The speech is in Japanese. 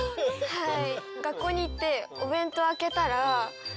はい。